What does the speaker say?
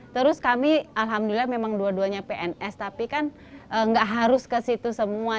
terus kami alhamdulillah memang dua duanya pns tapi kan nggak harus ke situ semua